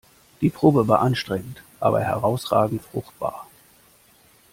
Die Probe war anstrengend aber herausragend fruchtbar.